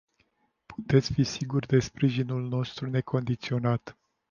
Puteți fi sigur de sprijinul nostru necondiționat.